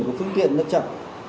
của phương tiện nó chậm